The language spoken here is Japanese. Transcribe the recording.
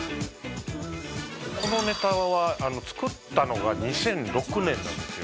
このネタは作ったのが２００６年なんですよ